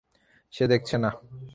সে দেখছে না।